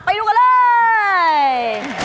ไปดูกันเลย